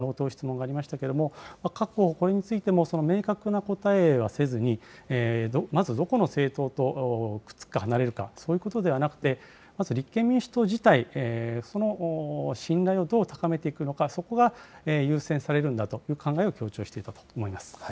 あとそれに関連して言いますと、共産党との連携の在り方、質問がありましたけれども、各候補これについても明確な答えはせずに、まずどこの政党とくっつくか、離れるか、そういうことではなくて、まず立憲民主党自体、その信頼をどう高めていくのか、そこが優先されるんだという考えを強調していたと思います。